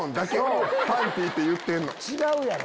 違うやろ！